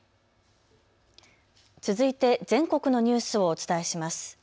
続いて全国のニュースをお伝えします。